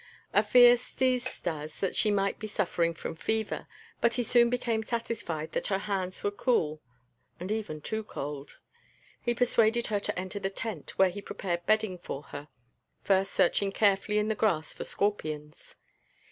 A fear seized Stas that she might be suffering from fever, but he soon became satisfied that her hands were cool and even too cold. He persuaded her to enter the tent where he prepared bedding for her, first searching carefully in the grass for scorpions.